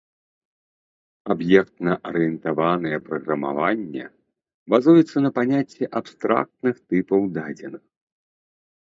Аб'ектна-арыентаванае праграмаванне базуецца на паняцці абстрактных тыпаў дадзеных.